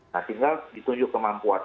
nah tinggal ditunjuk kemampuan